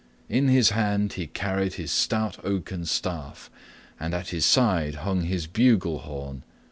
In his hand he carried his stout oaken staff, and at his side hung his bugle horn.